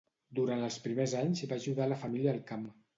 Durant els primers anys va ajudar la família al camp.